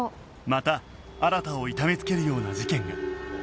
また新を痛め付けるような事件が